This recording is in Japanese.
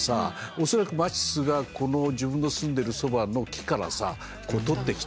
恐らくマティスがこの自分の住んでるそばの木からさ取ってきた。